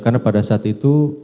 karena pada saat itu